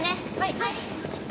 はい。